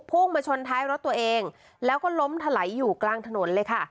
พุ่งมาชนท้ายรถตัวเองแล้วก็ล้มถลายอยู่กลางถนนเลยค่ะ